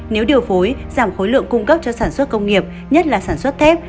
nếu điều phối giảm khối lượng cung cấp cho sản xuất công nghiệp nhất là sản xuất thép